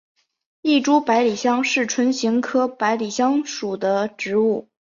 异株百里香是唇形科百里香属的植物。